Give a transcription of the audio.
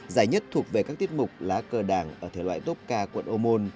giải nhất thuộc về các tiết mục lá cờ đảng ở thể loại tốt ca quận ô môn